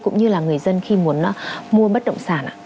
cũng như là người dân khi muốn mua bất động sản ạ